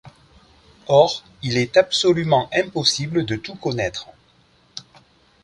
Or, il est absolument impossible de tout connaître.